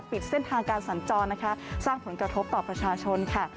ปิดเส้นทางการสัญจรนะคะสร้างผลกระทบต่อประชาชนค่ะ